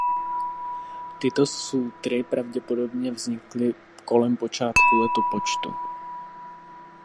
Tyto sútry pravděpodobně vznikly kolem počátku letopočtu.